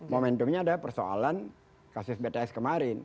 momentumnya adalah persoalan kasus bts kemarin